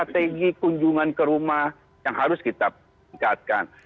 ada strategi kunjungan ke rumah yang harus kita meningkatkan